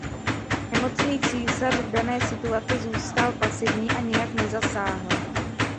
Nemocný císař v dané situaci zůstal pasivní a nijak nezasáhl.